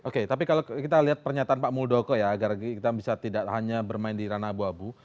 oke tapi kalau kita lihat pernyataan pak muldoko ya agar kita bisa tidak hanya bermain di ranah abu abu